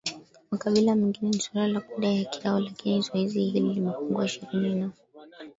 makabila mengine ni suala la kudai haki yao lakini zoezi hili limepungua Ishirini na